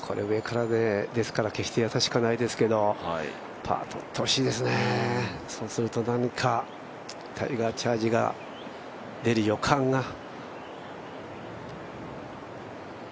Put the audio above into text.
上からですから、決して易しくないですけどパーとってほしいですね、そうすると何かタイガーチャージが出る予感が。